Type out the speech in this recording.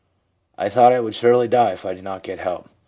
I thought I would surely die if I did not get help.